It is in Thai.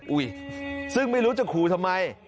อุ๊ยซึ่งไม่รู้จะขูทำไม